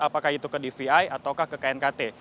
apakah itu ke dvi atau ke knkt